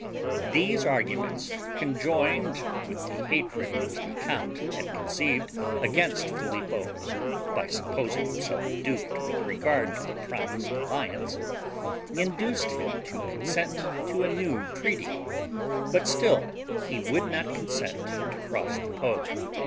These arguments, conjoined with the hatred which the count had conceived against Filippo, by supposing himself duped with regard to the promised alliance, induced him to consent to a new treaty; but still he would not consent to cross the Po.